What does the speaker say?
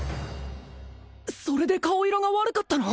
それで顔色が悪かったの？